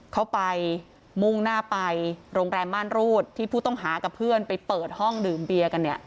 เขาไปมุ่งหน้าไปโรงแรมม่านรูดที่ผู้ต้องหากับเพื่อนไปเปิดห้องดื่มเบียร์กันเนี่ย